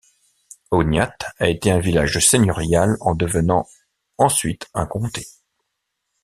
Ognate a été un village seigneurial en devenant ensuite un comté.